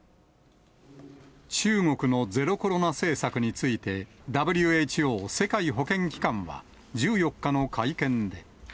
中国のゼロコロナ政策について、ＷＨＯ・世界保健機関は、１４日の会見で。